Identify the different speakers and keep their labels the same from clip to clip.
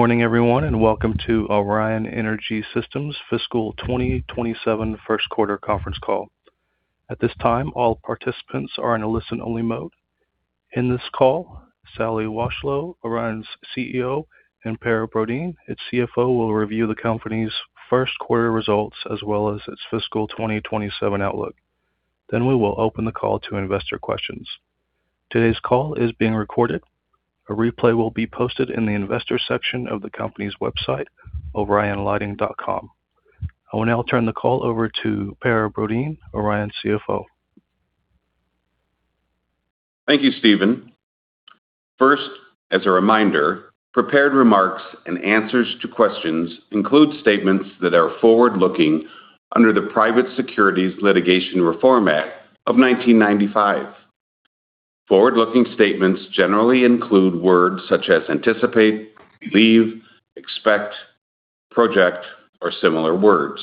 Speaker 1: Good morning, everyone, and welcome to Orion Energy Systems' Fiscal 2027 First Quarter Conference Call. At this time, all participants are in a listen-only mode. In this call, Sally Washlow, Orion's CEO, and Per Brodin, its CFO, will review the company's first quarter results as well as its fiscal 2027 outlook. Then we will open the call to investor questions. Today's call is being recorded. A replay will be posted in the investors section of the company's website, orionlighting.com. I will now turn the call over to Per Brodin, Orion's CFO.
Speaker 2: Thank you, Steven. First, as a reminder, prepared remarks and answers to questions include statements that are forward-looking under the Private Securities Litigation Reform Act of 1995. Forward-looking statements generally include words such as "anticipate," "believe," "expect," "project," or similar words.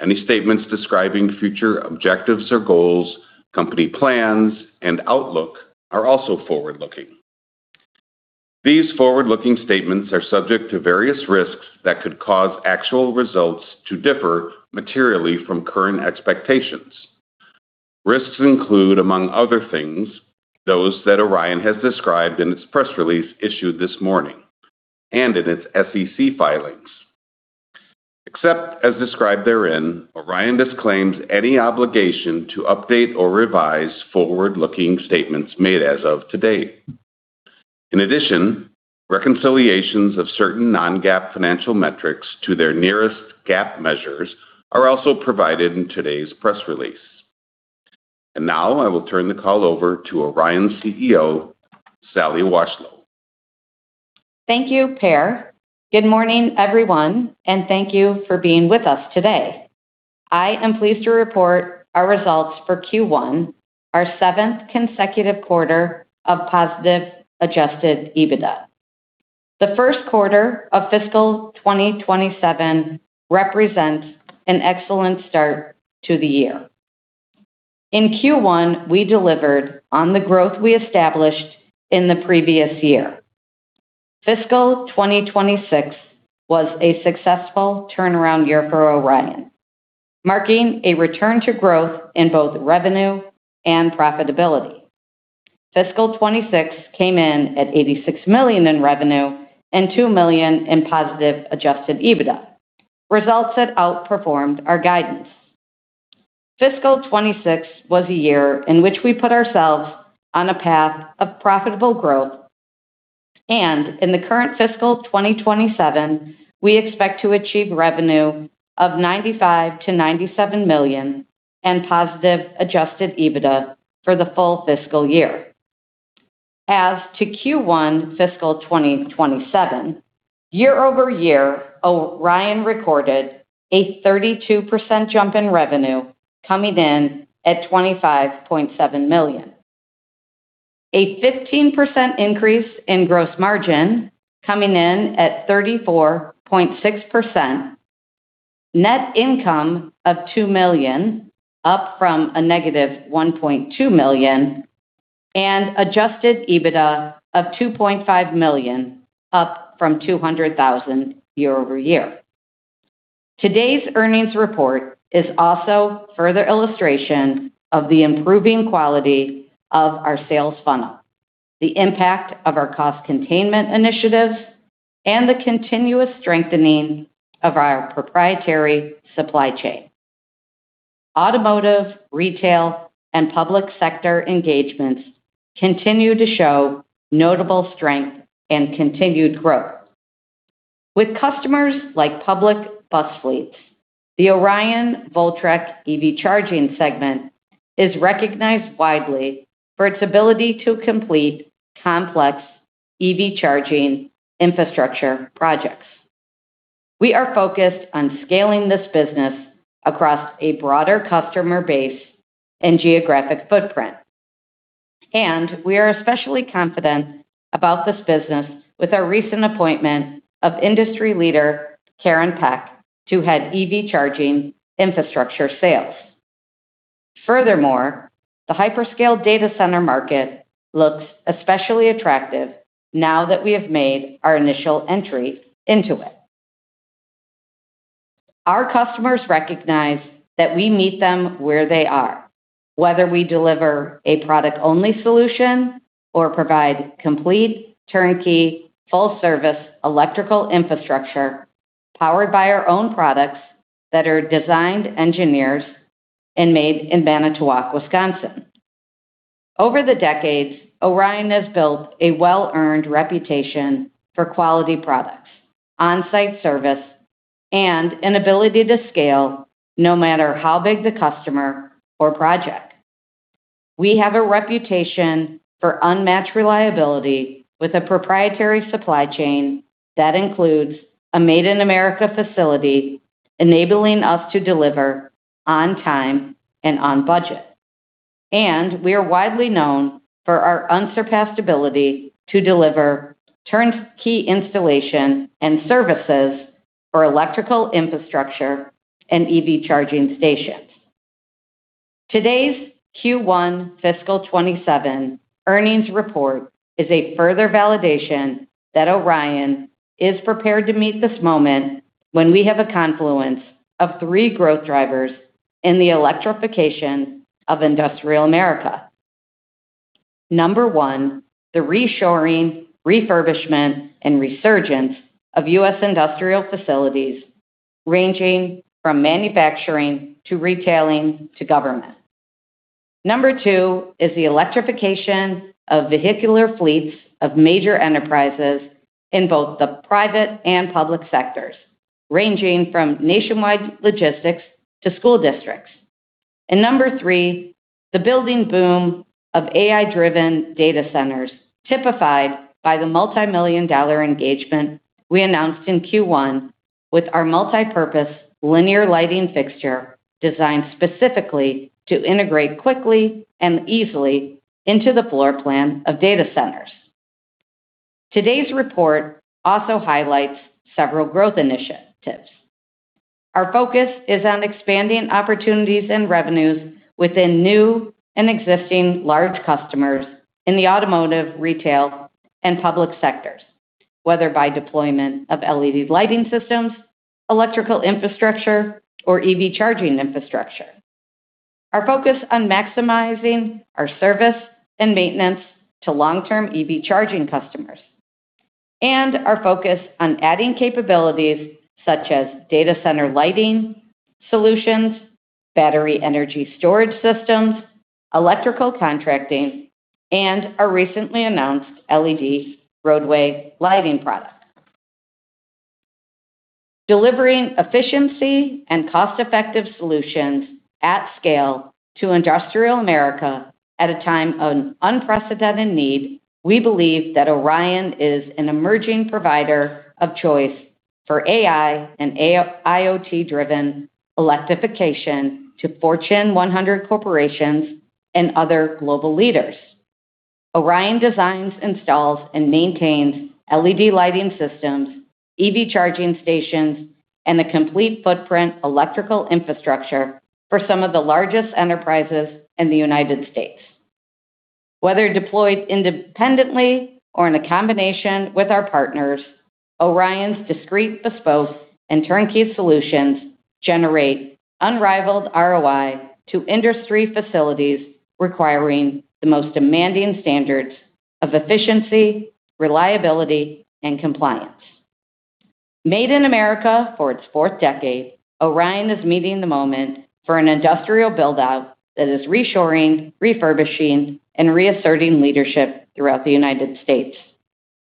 Speaker 2: Any statements describing future objectives or goals, company plans, and outlook are also forward-looking. These forward-looking statements are subject to various risks that could cause actual results to differ materially from current expectations. Risks include, among other things, those that Orion has described in its press release issued this morning and in its SEC filings. Except as described therein, Orion disclaims any obligation to update or revise forward-looking statements made as of today. In addition, reconciliations of certain non-GAAP financial metrics to their nearest GAAP measures are also provided in today's press release. Now, I will turn the call over to Orion's CEO, Sally Washlow.
Speaker 3: Thank you, Per. Good morning, everyone, and thank you for being with us today. I am pleased to report our results for Q1, our seventh consecutive quarter of positive adjusted EBITDA. The first quarter of fiscal 2027 represents an excellent start to the year. In Q1, we delivered on the growth we established in the previous year. Fiscal 2026 was a successful turnaround year for Orion, marking a return to growth in both revenue and profitability. Fiscal 2026 came in at $86 million in revenue and $2 million in positive adjusted EBITDA, results that outperformed our guidance. Fiscal 2026 was a year in which we put ourselves on a path of profitable growth. In the current fiscal 2027, we expect to achieve revenue of $95 million-$97 million and positive adjusted EBITDA for the full fiscal year. As to Q1 fiscal 2027, year-over-year, Orion recorded a 32% jump in revenue, coming in at $25.7 million. A 15% increase in gross margin, coming in at 34.6%. Net income of $2 million, up from -$1.2 million, and adjusted EBITDA of $2.5 million, up from $200,000 year-over-year. Today's earnings report is also further illustration of the improving quality of our sales funnel, the impact of our cost containment initiatives, and the continuous strengthening of our proprietary supply chain. Automotive, retail, and public sector engagements continue to show notable strength and continued growth. With customers like public bus fleets, the Orion Voltrek EV charging segment is recognized widely for its ability to complete complex EV charging infrastructure projects. We are focused on scaling this business across a broader customer base and geographic footprint. We are especially confident about this business with our recent appointment of industry leader, Karen Peck, to head EV charging infrastructure sales. Furthermore, the hyperscale data center market looks especially attractive now that we have made our initial entry into it. Our customers recognize that we meet them where they are, whether we deliver a product-only solution or provide complete turnkey, full-service electrical infrastructure powered by our own products that are designed, engineered, and made in Manitowoc, Wisconsin. Over the decades, Orion has built a well-earned reputation for quality products, on-site service, and an ability to scale no matter how big the customer or project. We have a reputation for unmatched reliability with a proprietary supply chain that includes a Made in America facility, enabling us to deliver on time and on budget. We are widely known for our unsurpassed ability to deliver turnkey installation and services for electrical infrastructure and EV charging stations. Today's Q1 fiscal 2027 earnings report is a further validation that Orion is prepared to meet this moment when we have a confluence of three growth drivers in the electrification of industrial America. Number one, the reshoring, refurbishment, and resurgence of U.S. industrial facilities, ranging from manufacturing to retailing to government. Number two is the electrification of vehicular fleets of major enterprises in both the private and public sectors, ranging from nationwide logistics to school districts. And number three, the building boom of AI-driven data centers, typified by the multimillion-dollar engagement we announced in Q1 with our multipurpose linear lighting fixture, designed specifically to integrate quickly and easily into the floor plan of data centers. Today's report also highlights several growth initiatives. Our focus is on expanding opportunities and revenues within new and existing large customers in the automotive, retail, and public sectors, whether by deployment of LED lighting systems, electrical infrastructure, or EV charging infrastructure. Our focus on maximizing our service and maintenance to long-term EV charging customers. And our focus on adding capabilities such as data center lighting solutions, battery energy storage systems, electrical contracting, and a recently announced LED roadway lighting product. Delivering efficiency and cost-effective solutions at scale to industrial America at a time of unprecedented need, we believe that Orion is an emerging provider of choice for AI and IoT-driven electrification to Fortune 100 corporations and other global leaders. Orion designs, installs, and maintains LED lighting systems, EV charging stations, and the complete footprint electrical infrastructure for some of the largest enterprises in the U.S. Whether deployed independently or in combination with our partners, Orion's discreet, bespoke, and turnkey solutions generate unrivaled ROI to industry facilities requiring the most demanding standards of efficiency, reliability, and compliance. Made in America for its fourth decade, Orion is meeting the moment for an industrial build-out that is reshoring, refurbishing, and reasserting leadership throughout the U.S.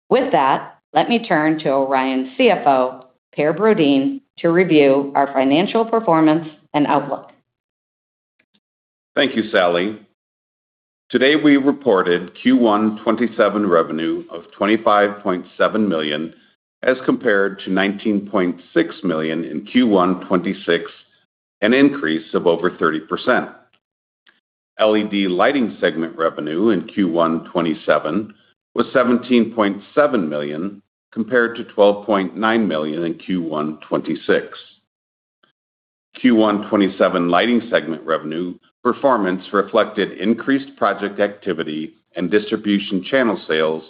Speaker 3: With that, let me turn to Orion's CFO, Per Brodin, to review our financial performance and outlook.
Speaker 2: Thank you, Sally. Today we reported Q1 2027 revenue of $25.7 million as compared to $19.6 million in Q1 2026, an increase of over 30%. LED lighting segment revenue in Q1 2027 was $17.7 million compared to $12.9 million in Q1 2026. Q1 2027 lighting segment revenue performance reflected increased project activity and distribution channel sales,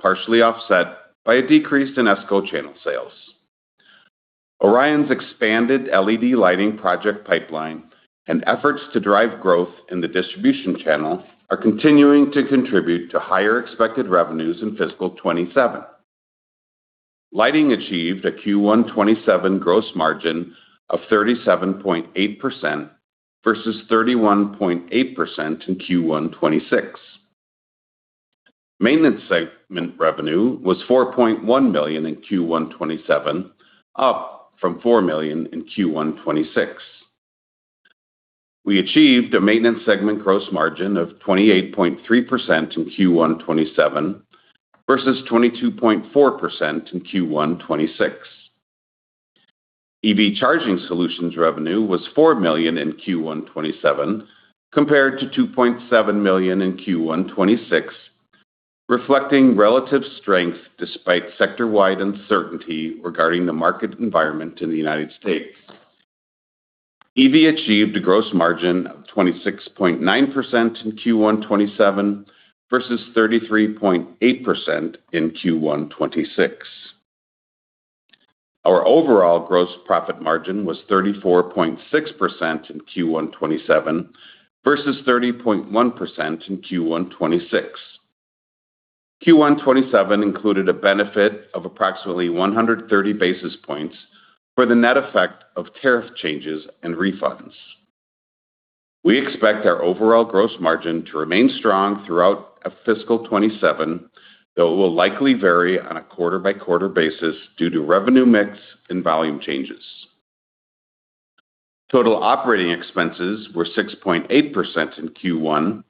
Speaker 2: partially offset by a decrease in ESCO channel sales. Orion's expanded LED lighting project pipeline and efforts to drive growth in the distribution channel are continuing to contribute to higher expected revenues in fiscal 2027. Lighting achieved a Q1 2027 gross margin of 37.8% versus 31.8% in Q1 2026. Maintenance segment revenue was $4.1 million in Q1 2027, up from $4 million in Q1 2026. We achieved a maintenance segment gross margin of 28.3% in Q1 2027 versus 22.4% in Q1 2026. EV charging solutions revenue was $4 million in Q1 2027 compared to $2.7 million in Q1 2026, reflecting relative strength despite sector-wide uncertainty regarding the market environment in the U.S. EV achieved a gross margin of 26.9% in Q1 2027 versus 33.8% in Q1 2026. Our overall gross profit margin was 34.6% in Q1 2027 versus 30.1% in Q1 2026. Q1 2027 included a benefit of approximately 130 basis points for the net effect of tariff changes and refunds. We expect our overall gross margin to remain strong throughout fiscal 2027, though it will likely vary on a quarter-by-quarter basis due to revenue mix and volume changes. Total operating expenses were 6.8% in Q1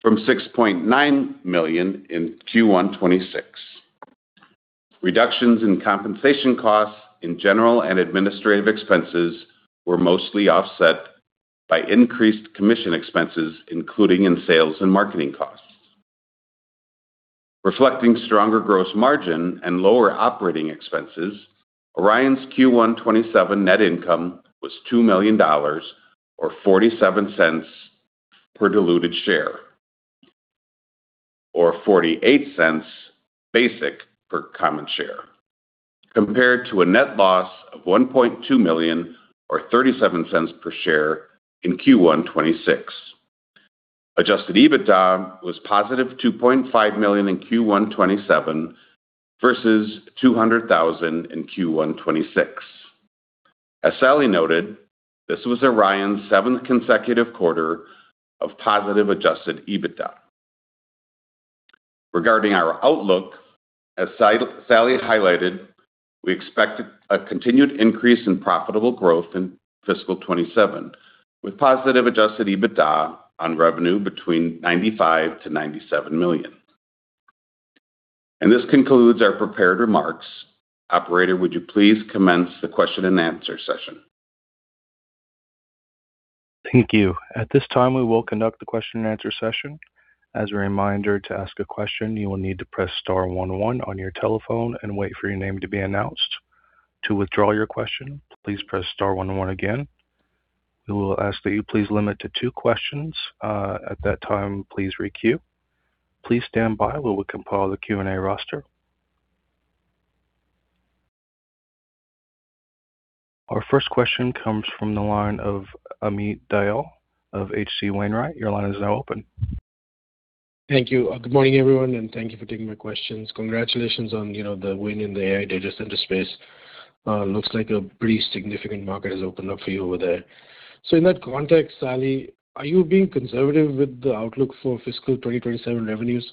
Speaker 2: from $6.9 million in Q1 2026. Reductions in compensation costs in general and administrative expenses were mostly offset by increased commission expenses, including in sales and marketing costs. Reflecting stronger gross margin and lower operating expenses, Orion's Q1 2027 net income was $2 million, or $0.47 per diluted share, or $0.48 basic per common share. Compared to a net loss of $1.2 million or $0.37 per share in Q1 2026. Adjusted EBITDA was+$2.5 million in Q1 2027 versus $200,000 in Q1 2026. As Sally noted, this was Orion's seventh consecutive quarter of positive adjusted EBITDA. Regarding our outlook, as Sally highlighted, we expect a continued increase in profitable growth in fiscal 2027, with positive adjusted EBITDA on revenue between $95 million-$97 million. This concludes our prepared remarks. Operator, would you please commence the question-and-answer session?
Speaker 1: Thank you. At this time, we will conduct the question -and-answer session. As a reminder, to ask a question, you will need to press star one one on your telephone and wait for your name to be announced. To withdraw your question, please press star one one again. We will ask that you please limit it to two questions. At that time, please re-queue. Please stand by while we compile the Q&A roster. Our first question comes from the line of Amit Dayal of H.C. Wainwright. Your line is now open.
Speaker 4: Thank you. Good morning, everyone, and thank you for taking my questions. Congratulations on the win in the AI data center space. Looks like a pretty significant market has opened up for you over there. In that context, Sally, are you being conservative with the outlook for fiscal 2027 revenues?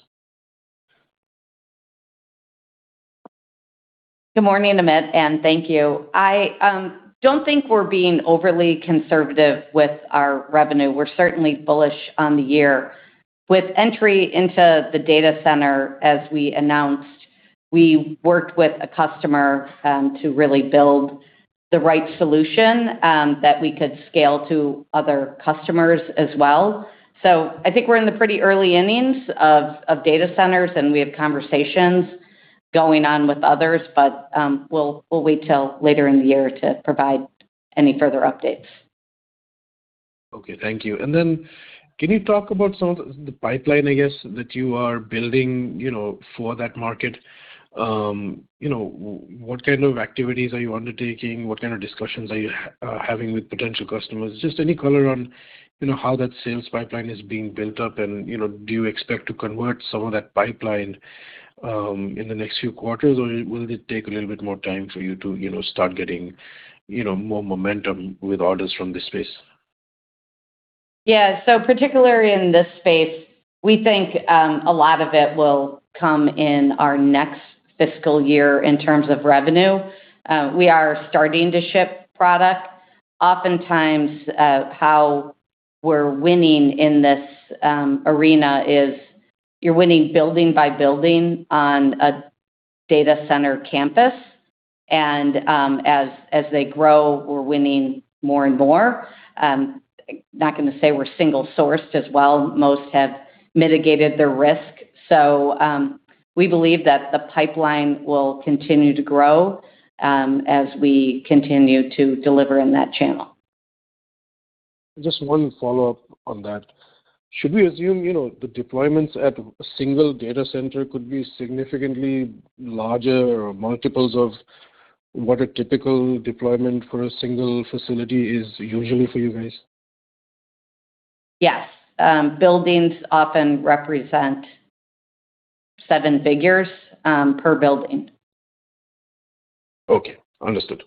Speaker 3: Good morning, Amit, and thank you. I don't think we're being overly conservative with our revenue. We're certainly bullish on the year. With entry into the data center, as we announced, we worked with a customer to really build the right solution that we could scale to other customers as well. I think we're in the pretty early innings of data centers, we have conversations going on with others, we'll wait till later in the year to provide any further updates.
Speaker 4: Okay. Thank you. Can you talk about some of the pipeline that you are building for that market? What kind of activities are you undertaking? What kind of discussions are you having with potential customers? Just any color on how that sales pipeline is being built up, do you expect to convert some of that pipeline in the next few quarters? Will it take a little bit more time for you to start getting more momentum with orders from this space?
Speaker 3: Particularly in this space, we think a lot of it will come in our next fiscal year in terms of revenue. We are starting to ship product. Oftentimes, how we're winning in this arena is you're winning building by building on a data center campus. As they grow, we're winning more and more. I'm not going to say we're single-sourced as well. Most have mitigated their risk. We believe that the pipeline will continue to grow as we continue to deliver in that channel.
Speaker 4: Just one follow-up on that. Should we assume the deployments at a single data center could be significantly larger or multiples of what a typical deployment for a single facility is usually for you guys?
Speaker 3: Yes. Buildings often represent seven figures per building.
Speaker 4: Okay. Understood.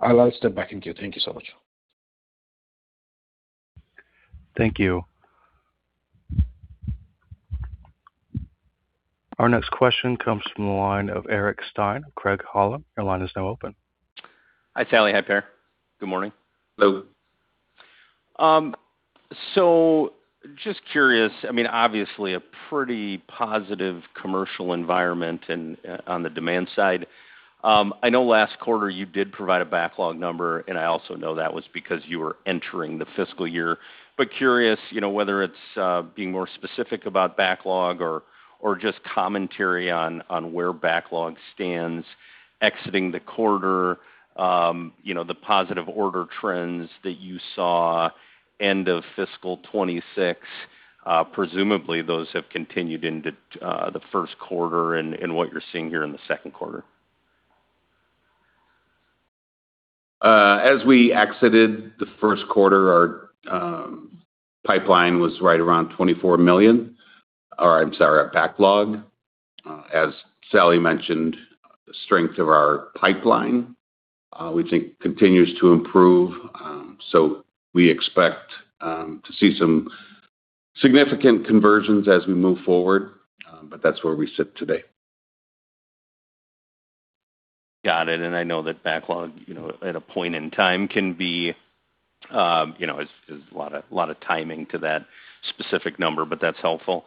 Speaker 4: I'll step back. Thank you. Thank you so much.
Speaker 1: Thank you. Our next question comes from the line of Eric Stine, Craig-Hallum. Your line is now open.
Speaker 5: Hi, Sally. Hi, Per. Good morning.
Speaker 2: Hello.
Speaker 5: Just curious, obviously, a pretty positive commercial environment on the demand side. I know last quarter you did provide a backlog number, and I also know that was because you were entering the fiscal year. Curious, whether it is being more specific about backlog or just commentary on where backlog stands exiting the quarter. The positive order trends that you saw end of fiscal 2026, presumably those have continued into the first quarter and what you are seeing here in the second quarter.
Speaker 2: As we exited the first quarter, our backlog was right around $24 million. As Sally mentioned, the strength of our pipeline we think continues to improve. We expect to see some significant conversions as we move forward. That is where we sit today.
Speaker 5: Got it. I know that backlog at a point in time can be, there is a lot of timing to that specific number, but that is helpful.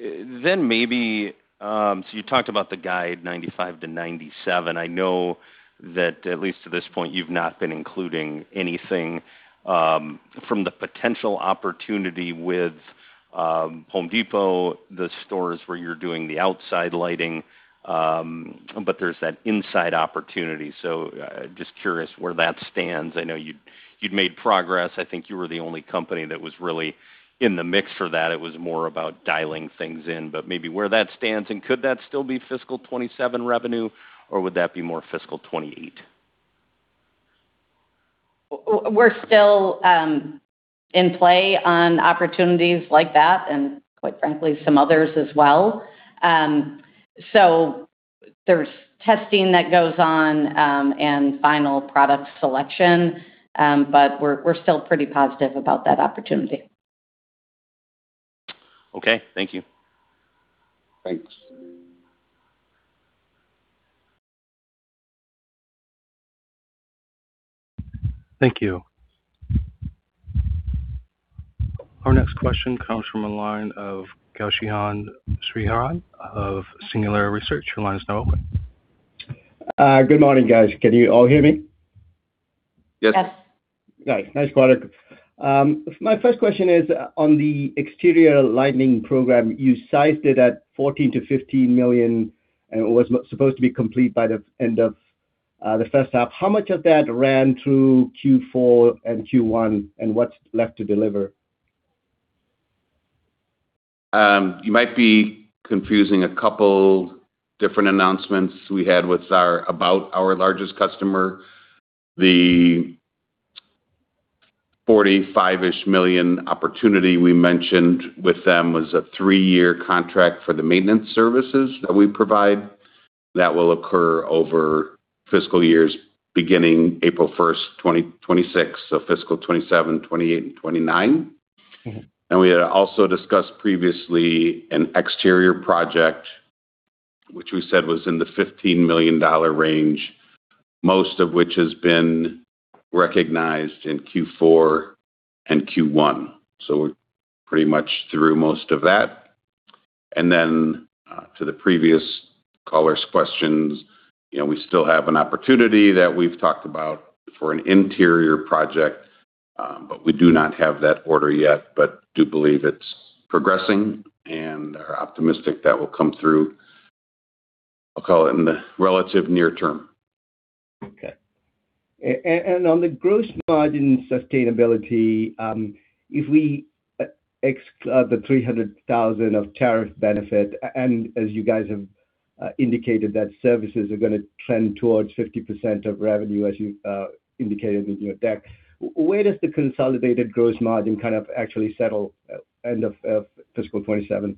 Speaker 5: Maybe you talked about the guide $95 million-$97 million. I know that at least to this point, you have not been including anything from the potential opportunity with The Home Depot, the stores where you are doing the outside lighting, but there is that inside opportunity. Just curious where that stands. I know you had made progress. I think you were the only company that was really in the mix for that. It was more about dialing things in. Maybe where that stands, and could that still be fiscal 2027 revenue, or would that be more fiscal 2028?
Speaker 3: We're still in play on opportunities like that, quite frankly, some others as well. There's testing that goes on, and final product selection. We're still pretty positive about that opportunity.
Speaker 5: Okay. Thank you.
Speaker 2: Thanks.
Speaker 1: Thank you. Our next question comes from the line of Gowshihan Sriharan of Singular Research. Your line is now open.
Speaker 6: Good morning, guys. Can you all hear me?
Speaker 2: Yes.
Speaker 3: Yes.
Speaker 6: Nice. My first question is on the exterior lighting program. You sized it at $14 million-$15 million, and it was supposed to be complete by the end of the first half. How much of that ran through Q4 and Q1, and what's left to deliver?
Speaker 2: You might be confusing two different announcements we had about our largest customer. The $45-ish million opportunity we mentioned with them was a three-year contract for the maintenance services that we provide. That will occur over fiscal years beginning April 1st, 2026, so fiscal 2027, 2028, and 2029. We had also discussed previously an exterior project, which we said was in the $15 million range, most of which has been recognized in Q4 and Q1. We're pretty much through most of that. To the previous caller's questions, we still have an opportunity that we've talked about for an interior project. We do not have that order yet, but do believe it's progressing and are optimistic that will come through, I'll call it in the relative near term.
Speaker 6: Okay. On the gross margin sustainability, if we exclude the $300,000 of tariff benefit, as you guys have indicated that services are going to trend towards 50% of revenue as you indicated in your deck, where does the consolidated gross margin kind of actually settle end of fiscal 2027?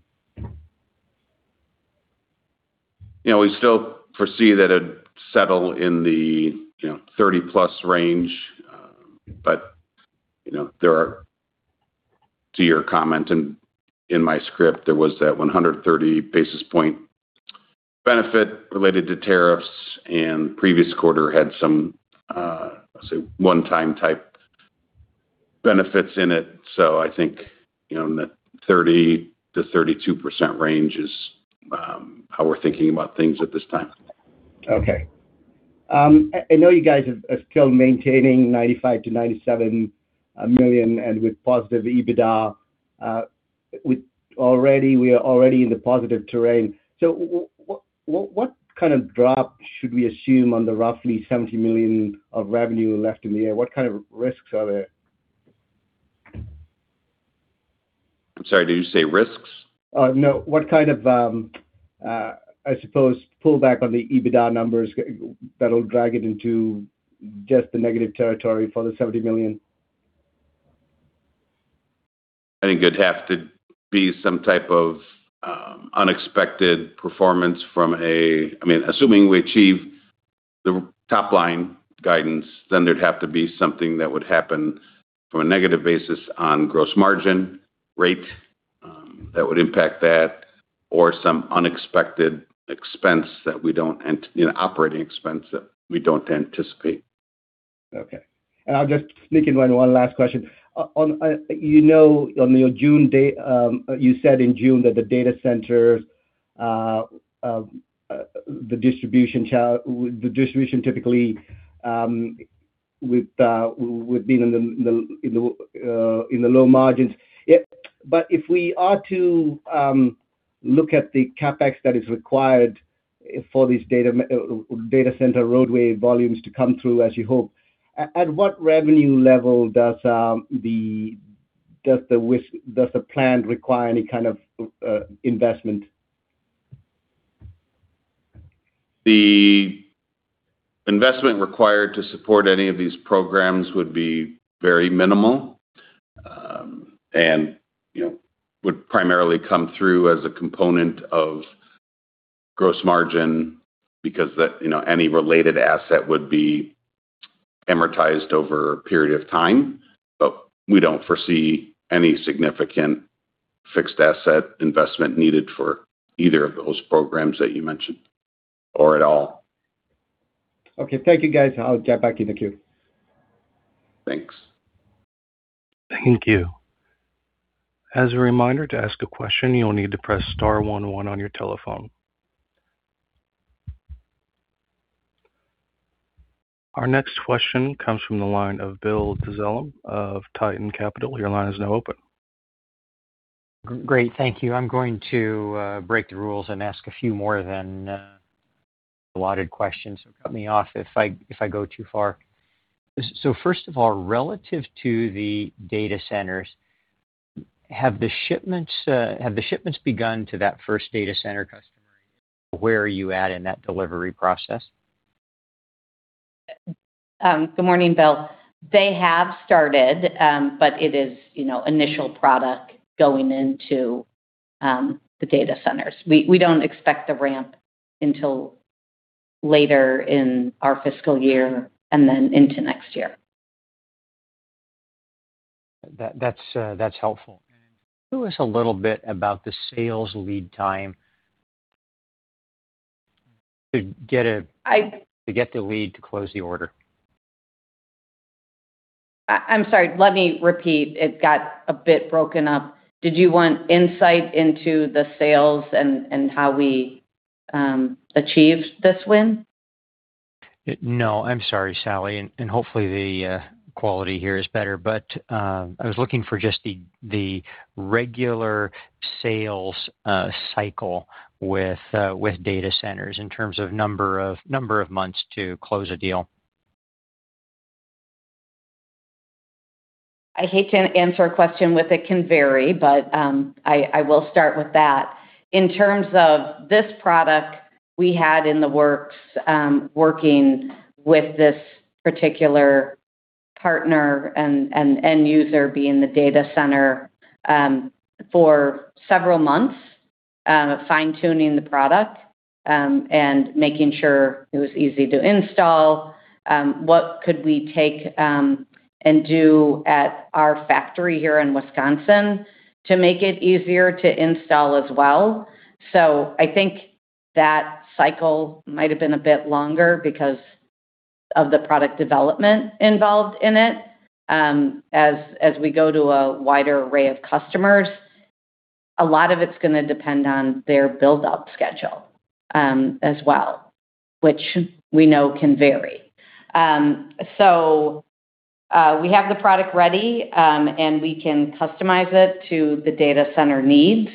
Speaker 2: We still foresee that it'd settle in the 30+ range. There are, to your comment and in my script, there was that 130 basis point benefit related to tariffs, and previous quarter had some, say, one-time type benefits in it. I think in that 30%-32% range is how we're thinking about things at this time.
Speaker 6: Okay. I know you guys are still maintaining $95 million-$97 million, and with positive EBITDA, we are already in the positive terrain. What kind of drop should we assume on the roughly $70 million of revenue left in the air? What kind of risks are there?
Speaker 2: I'm sorry, did you say risks?
Speaker 6: No. What kind of, I suppose, pullback on the EBITDA numbers that'll drag it into just the negative territory for the $70 million?
Speaker 2: I think it'd have to be some type of unexpected performance. Assuming we achieve the top-line guidance, then there'd have to be something that would happen from a negative basis on gross margin rate that would impact that, or some unexpected operating expense that we don't anticipate.
Speaker 6: Okay. I'll just sneak in one last question. You said in June that the data centers, the distribution typically would be in the low margins. If we are to look at the CapEx that is required for these data center roadway volumes to come through as you hope, at what revenue level does the plan require any kind of investment?
Speaker 2: The investment required to support any of these programs would be very minimal. Would primarily come through as a component of gross margin because any related asset would be amortized over a period of time. We don't foresee any significant fixed asset investment needed for either of those programs that you mentioned, or at all.
Speaker 6: Okay. Thank you, guys. I'll get back in the queue.
Speaker 2: Thanks.
Speaker 1: Thank you. As a reminder, to ask a question, you will need to press star one one on your telephone. Our next question comes from the line of Bill Dezellem of Tieton Capital Management. Your line is now open.
Speaker 7: Great. Thank you. I'm going to break the rules and ask a few more than the allotted questions. Cut me off if I go too far. First of all, relative to the data centers, have the shipments begun to that first data center customer? Where are you at in that delivery process?
Speaker 3: Good morning, Bill. They have started, it is initial product going into the data centers. We don't expect the ramp until later in our fiscal year, into next year.
Speaker 7: That's helpful. Tell us a little bit about the sales lead time to get the lead to close the order.
Speaker 3: I'm sorry, let me repeat. It got a bit broken up. Did you want insight into the sales and how we achieved this win?
Speaker 7: No, I'm sorry, Sally. Hopefully the quality here is better. I was looking for just the regular sales cycle with data centers in terms of number of months to close a deal.
Speaker 3: I hate to answer a question with, "It can vary," but I will start with that. In terms of this product, we had in the works, working with this particular partner and end user, being the data center, for several months, fine-tuning the product and making sure it was easy to install. What could we take and do at our factory here in Wisconsin to make it easier to install as well? I think that cycle might have been a bit longer because of the product development involved in it. As we go to a wider array of customers, a lot of it's going to depend on their build-out schedule as well, which we know can vary. We have the product ready, and we can customize it to the data center needs.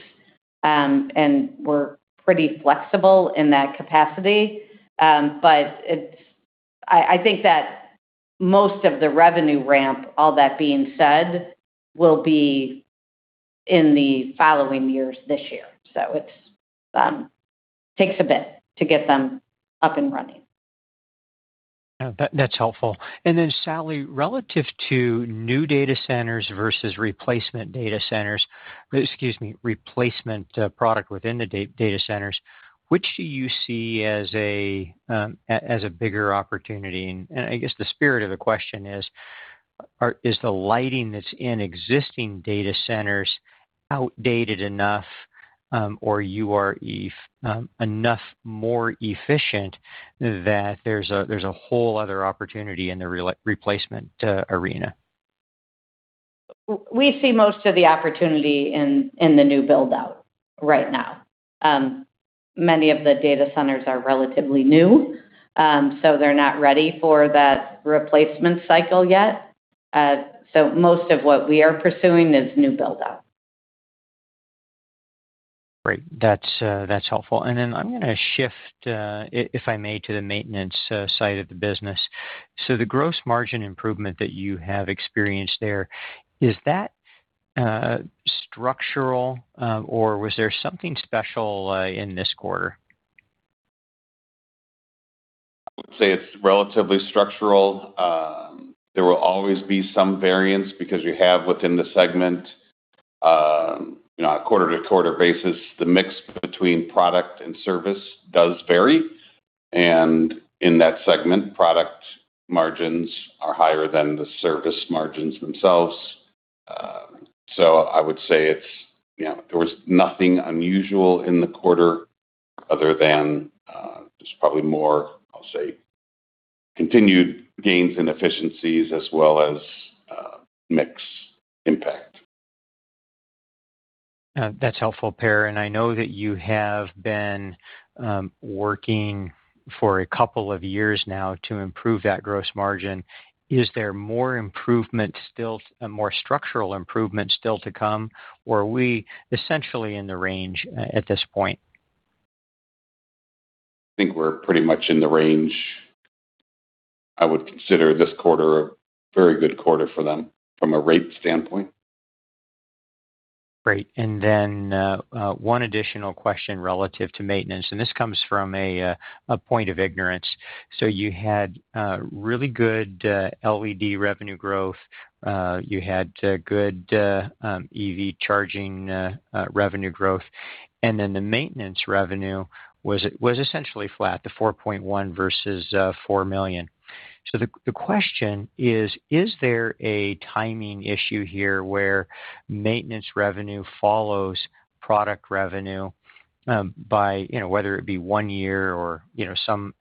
Speaker 3: We're pretty flexible in that capacity. I think that most of the revenue ramp, all that being said, will be in the following years this year. It takes a bit to get them up and running.
Speaker 7: That's helpful. Sally, relative to new data centers versus replacement data centers, excuse me, replacement product within the data centers, which do you see as a bigger opportunity? I guess the spirit of the question is the lighting that's in existing data centers outdated enough, or you are enough more efficient that there's a whole other opportunity in the replacement arena?
Speaker 3: We see most of the opportunity in the new build-out right now. Many of the data centers are relatively new, they're not ready for that replacement cycle yet. Most of what we are pursuing is new build-out.
Speaker 7: Great. That's helpful. I'm going to shift, if I may, to the maintenance side of the business. The gross margin improvement that you have experienced there, is that structural, or was there something special in this quarter?
Speaker 2: I would say it's relatively structural. There will always be some variance because you have within the segment, a quarter-to-quarter basis, the mix between product and service does vary. In that segment, product margins are higher than the service margins themselves. I would say there was nothing unusual in the quarter other than just probably more, I'll say, continued gains in efficiencies as well as mix impact.
Speaker 7: That's helpful, Per. I know that you have been working for a couple of years now to improve that gross margin. Is there more structural improvement still to come, or are we essentially in the range at this point?
Speaker 2: I think we're pretty much in the range. I would consider this quarter a very good quarter for them from a rate standpoint.
Speaker 7: Great. One additional question relative to maintenance. This comes from a point of ignorance. You had really good LED revenue growth. You had good EV charging revenue growth. The maintenance revenue was essentially flat to $4.1 million versus $4 million. The question is: Is there a timing issue here where maintenance revenue follows product revenue by, whether it be one year or some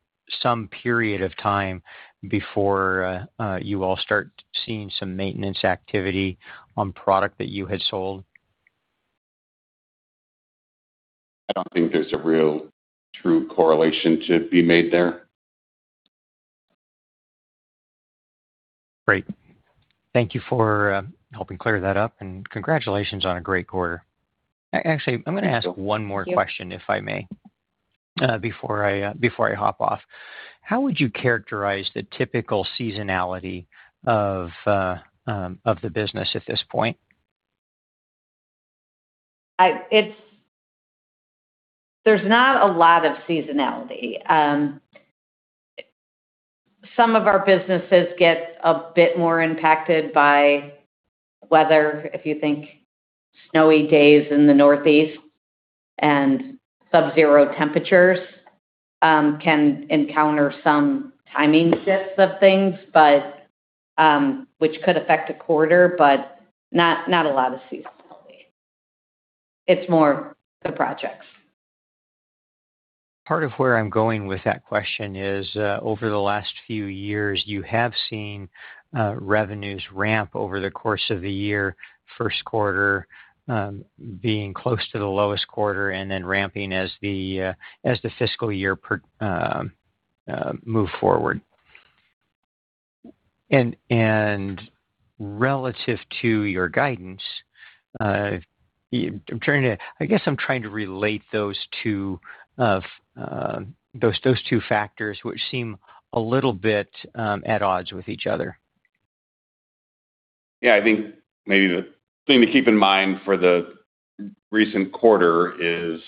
Speaker 7: period of time before you all start seeing some maintenance activity on product that you had sold?
Speaker 2: I don't think there's a real true correlation to be made there.
Speaker 7: Great. Thank you for helping clear that up, and congratulations on a great quarter. Actually, I'm going to ask one more question, if I may before I hop off. How would you characterize the typical seasonality of the business at this point?
Speaker 3: There's not a lot of seasonality. Some of our businesses get a bit more impacted by weather. If you think snowy days in the Northeast and subzero temperatures can encounter some timing shifts of things, which could affect a quarter, but not a lot of seasonality. It's more the projects.
Speaker 7: Part of where I'm going with that question is, over the last few years, you have seen revenues ramp over the course of the year, first quarter being close to the lowest quarter, and then ramping as the fiscal year move forward. Relative to your guidance, I guess I'm trying to relate those two factors which seem a little bit at odds with each other.
Speaker 2: I think maybe the thing to keep in mind for the recent quarter is,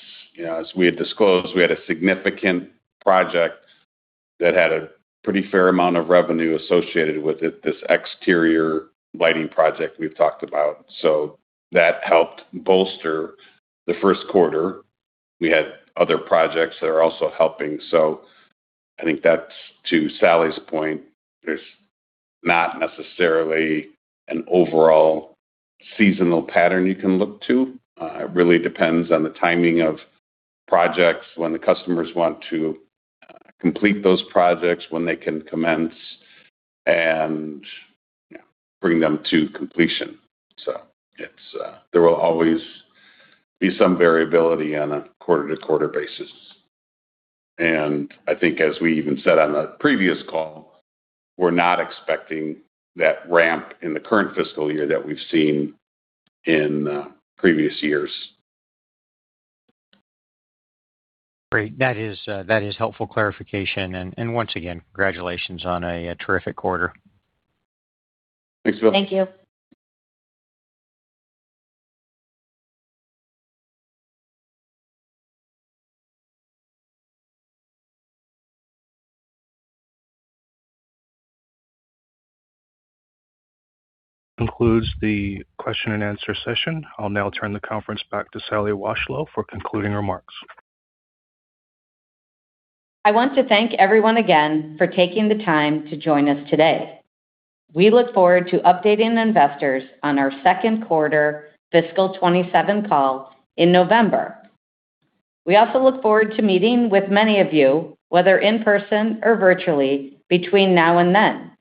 Speaker 2: as we had disclosed, we had a significant project that had a pretty fair amount of revenue associated with it, this exterior lighting project we've talked about. That helped bolster the first quarter. We had other projects that are also helping. I think that's to Sally's point. There's not necessarily an overall seasonal pattern you can look to. It really depends on the timing of projects, when the customers want to complete those projects, when they can commence, and bring them to completion. There will always be some variability on a quarter-to-quarter basis. I think as we even said on the previous call, we're not expecting that ramp in the current fiscal year that we've seen in previous years.
Speaker 7: Great. That is helpful clarification. Once again, congratulations on a terrific quarter.
Speaker 2: Thanks, Bill.
Speaker 3: Thank you.
Speaker 1: Concludes the question-and-answer session. I'll now turn the conference back to Sally Washlow for concluding remarks.
Speaker 3: I want to thank everyone again for taking the time to join us today. We look forward to updating investors on our Second Quarter Fiscal 2027 Call in November. We also look forward to meeting with many of you, whether in person or virtually, between now and then.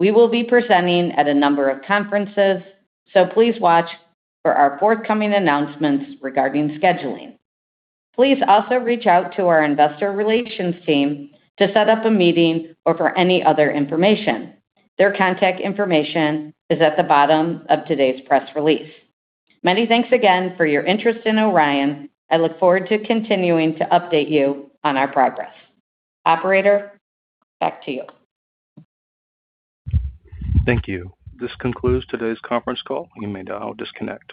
Speaker 3: We will be presenting at a number of conferences, so please watch for our forthcoming announcements regarding scheduling. Please also reach out to our Investor Relations team to set up a meeting or for any other information. Their contact information is at the bottom of today's press release. Many thanks again for your interest in Orion. I look forward to continuing to update you on our progress. Operator, back to you.
Speaker 1: Thank you. This concludes today's conference call. You may now disconnect.